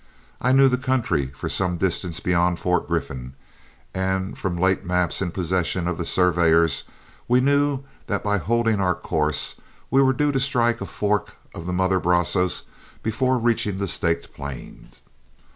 I knew the country for some distance beyond Fort Griffin, and from late maps in possession of the surveyors, we knew that by holding our course, we were due to strike a fork of the mother Brazos before reaching the Staked Plain.